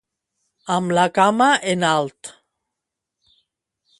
Amb la cama en alt.